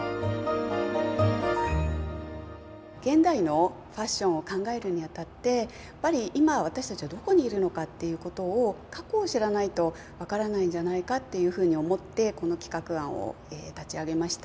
現代のファッションを考えるにあたってやっぱり今私たちはどこにいるのかっていうことを過去を知らないと分からないんじゃないかっていうふうに思ってこの企画案を立ち上げました。